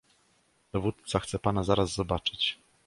"Dowódca chce pana zaraz zobaczyć."